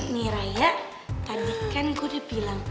nih raya tadi kan gua udah bilang